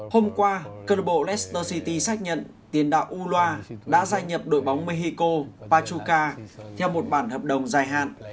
hôm qua club lester city xác nhận tiền đạo uloa đã gia nhập đội bóng mexico pachuca theo một bản hợp đồng dài hạn